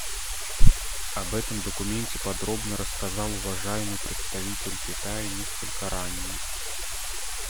Об этом документе подробно рассказал уважаемый представитель Китая несколько ранее.